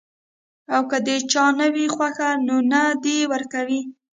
او کۀ د چا نۀ وي خوښه نو نۀ دې ورکوي -